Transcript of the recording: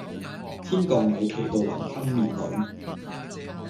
天降米奇到雲吞麵裏